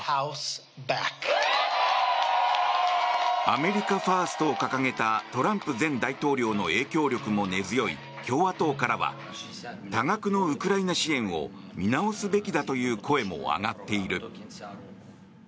アメリカ・ファーストを掲げたトランプ前大統領の影響力も根強い共和党からは多額のウクライナ支援を見直すべきだという声も上がっている。